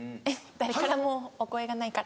誰からもお声がないから。